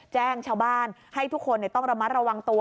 แจ้งชาวบ้านให้ทุกคนต้องระมัดระวังตัว